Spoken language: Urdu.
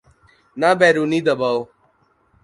نہ بیرونی دباؤ۔